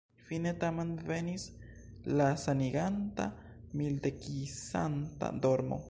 Fine tamen venis la saniganta, mildekisanta dormo.